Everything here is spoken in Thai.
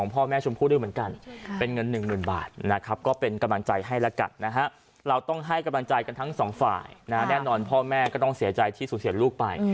พ่อแม่ก็ต้องเสียใจที่สูงเสียดลูกไป